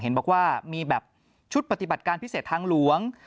เห็นบอกว่ามีแบบชุดปฏิบัติการพิเศษทางหลวง